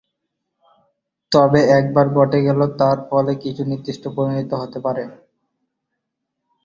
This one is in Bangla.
তবে এটি একবার ঘটে গেলে তার ফলে কিছু নির্দিষ্ট পরিণতি হতে পারে।